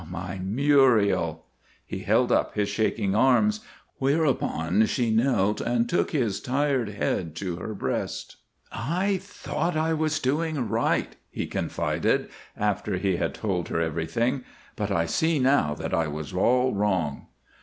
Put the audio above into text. "My Muriel." He held up his shaking arms, whereupon she knelt and took his tired head to her breast. "I thought I was doing right," he confided, after he had told her everything, "but I see now that I was all wrong."